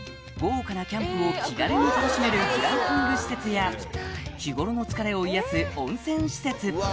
豪華なキャンプを気軽に楽しめるグランピング施設や日頃の疲れを癒やす温泉施設